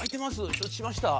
承知しました！」。